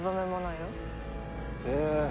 へえ。